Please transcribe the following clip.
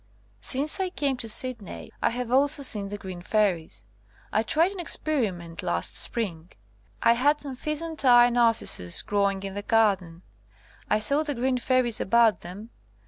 Since I came to Sydney, I have also seen the green fairies. I tried an experiment last spring. I had some pheasant eye narcissus growing in the garden. I saw the green fairies about them.